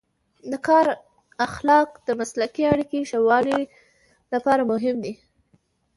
د کار اخلاق د مسلکي اړیکو ښه والي لپاره مهم دی.